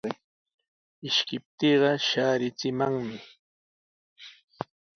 Ishkiptiiqa shaarichimanmi.